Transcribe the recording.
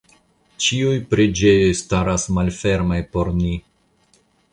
Ĉiuj preĝejoj staras malfermaj por ni.